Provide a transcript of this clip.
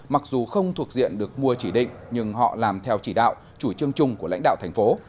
mặc dù không thuộc diện được mua chỉ định nhưng họ làm theo chỉ đạo chủ trương chung của lãnh đạo thành phố